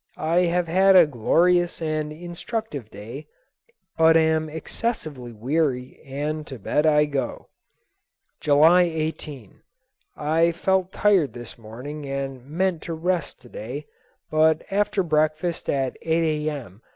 I have had a glorious and instructive day, but am excessively weary and to bed I go. July 18. I felt tired this morning and meant to rest to day. But after breakfast at 8 A.M.